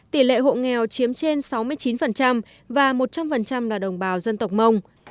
tỷ lệ hộ nghèo chiếm trên sáu mươi chín và một trăm linh là đồng bào dân tộc mông